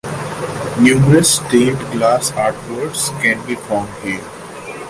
Numerous stained glass artworks can be found here.